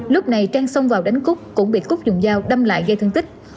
lúc này trang xông vào đánh cúc cũng bị cúc dùng dao đâm lại gây thương tích